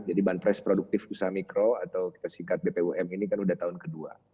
jadi bahan pres produktif usaha mikro atau kita singkat bpum ini kan sudah tahun ke dua